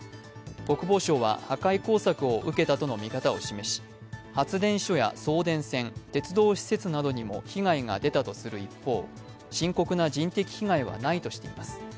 国防省は破壊工作を受けたとの見方を示し、発電所や送電線、鉄道施設などにも被害が出たとする一方、深刻な人的被害はないとしています。